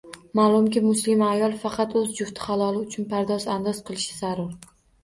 Ma’lumki, muslima ayol faqat o‘z jufti haloli uchun pardoz-andoz qilishi zarur.